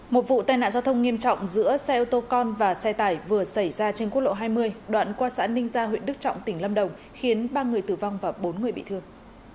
một vụ tai nạn giao thông nghiêm trọng giữa xe ô tô con và xe tải vừa xảy ra trên quốc lộ hai mươi đoạn qua xã ninh gia huyện đức trọng tỉnh lâm đồng khiến ba người tử vong và bốn người bị thương